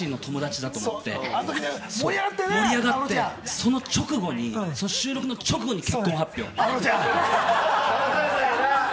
俺、魂の友達だと思って盛り上がって、その直後に収録の直後に結アフロちゃん！